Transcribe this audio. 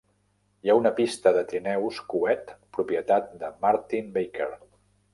Hi ha una pista de trineus coet propietat de Martin-Baker.